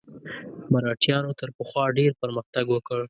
مرهټیانو تر پخوا ډېر پرمختګ وکړ.